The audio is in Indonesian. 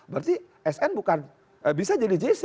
berarti sn bukan bisa jadi jc